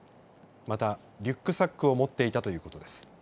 また、リュックサックを持っていたということです。